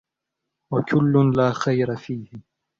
وَكُلٌّ لَا خَيْرَ فِيهِ